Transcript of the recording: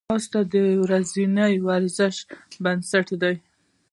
ځغاسته د ورځني ورزش بنسټ دی